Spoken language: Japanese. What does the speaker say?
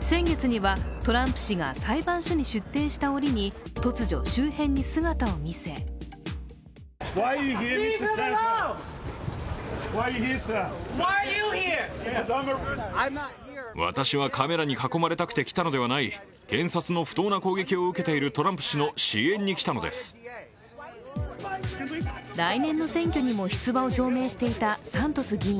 先月にはトランプ氏が裁判所に出廷した折に突如、周辺に姿を見せ来年の選挙にも出馬を表明していたサントス議員。